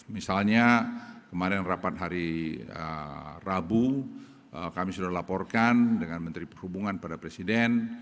misalnya kemarin rapat hari rabu kami sudah laporkan dengan menteri perhubungan pada presiden